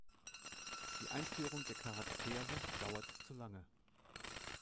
Die Einführung der Charaktere dauert zu lange.